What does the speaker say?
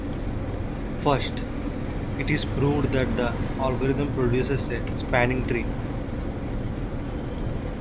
First, it is proved that the algorithm produces a spanning tree.